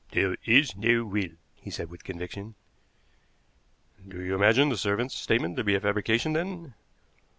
"There is no will," he said with conviction. "Do you imagine the servants' statement to be a fabrication, then?"